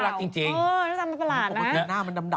มาน่ารักจริงเออหน้าตามันประหลาดนะ